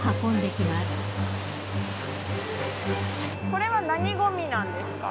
これは何ごみなんですか。